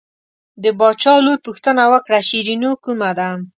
د باچا لور پوښتنه وکړه شیرینو کومه ده.